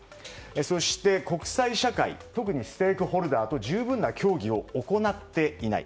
そして、国際社会特にステークホルダーと十分な協議を行っていない。